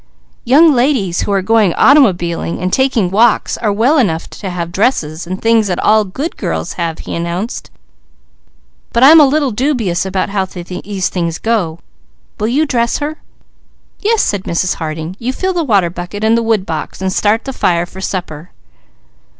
"Young ladies who are going automobiling and taking walks are well enough to have dresses, and things that all good girls have," he announced. "But I'm a little dubious about how these things go. Will you dress her?" "Yes," said Mrs. Harding. "You fill the water bucket and the wood box, and start the fire for supper."